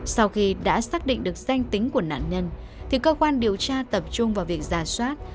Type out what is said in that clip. sau khi đã xác định được danh tính của nạn nhân thì cơ quan điều tra tập trung vào việc giả soát